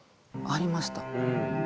ありました。